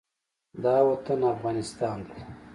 دا وطن افغانستان دى.